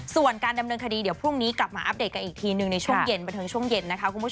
ส่วนการดำเนินคดีเดี๋ยวพรุ่งนี้กลับมาอัปเดตกันอีกทีหนึ่งในช่วงเย็นบันเทิงช่วงเย็นนะคะคุณผู้ชม